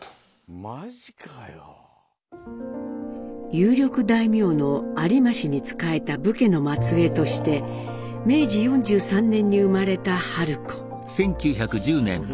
有力大名の有馬氏に仕えた武家の末裔として明治４３年に生まれた春子。